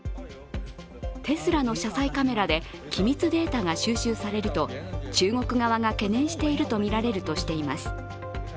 テスラの車載カメラで機密データが収集されると中国側が懸念しているとみられるとしています。